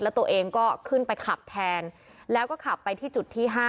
แล้วตัวเองก็ขึ้นไปขับแทนแล้วก็ขับไปที่จุดที่๕